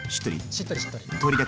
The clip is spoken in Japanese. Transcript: しっとりしっとり。